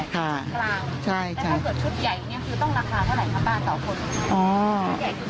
ถ้าเกิดชุดใหญ่อย่างนี้ต้องราคาเท่าไหร่คะป้า๒คน